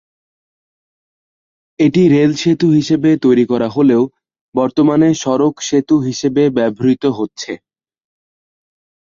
এটি রেল সেতু হিসেবে তৈরি করা হলেও বর্তমানে সড়ক সেতু হিসেবে ব্যবহৃত হচ্ছে।